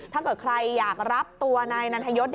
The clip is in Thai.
ถ้าใครอยากรับตัวนายนรรถยศ